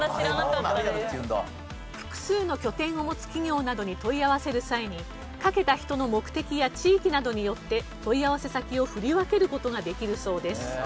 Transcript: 複数の拠点を持つ企業などに問い合わせる際にかけた人の目的や地域などによって問い合わせ先を振り分ける事ができるそうです。